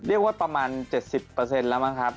เรียกว่าประมาณ๗๐แล้วมั้งครับ